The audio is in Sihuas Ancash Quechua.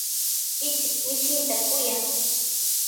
Ichik mishinta kuyan.